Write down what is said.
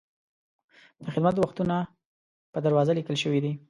د خدمت وختونه په دروازه لیکل شوي دي.